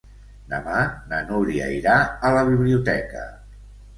Demà na Núria irà a la biblioteca.